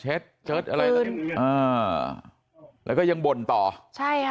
เห็นตะละเรายังบ่นต่อใช่ค่ะ